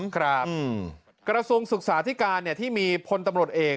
กระทรวงศึกษาธิการที่มีพลตำรวจเอก